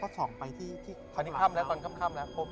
ครับผมมาถามในกรณีนี้ดีกว่าอะอย่างคุณไปทำบุญแห่งเนี่ยนะฮะ